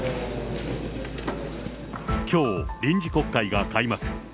きょう、臨時国会が開幕。